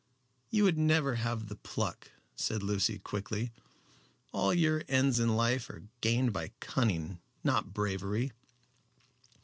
"You would never have the pluck," said Lucy, quickly. "All your ends in life are gained by cunning, not by bravery."